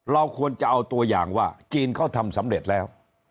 เราควรจะเอาตัวอย่างว่าจีนเขาทำสำเร็จแล้ว